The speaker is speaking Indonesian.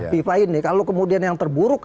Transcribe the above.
fifa ini kalau kemudian yang terburuk